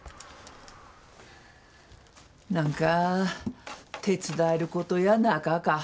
何か手伝えることやなかか。